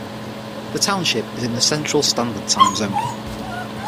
The township is in the Central Standard Time Zone.